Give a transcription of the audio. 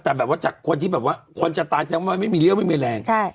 แต่แบบว่าจากคนที่แบบว่าคนจะตายแสดงว่ามันไม่มีเรี่ยวไม่มีแรง